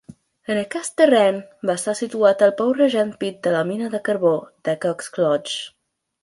En aquest terreny va estar situat el pou Regent Pit de la mina de carbó de Coxlodge.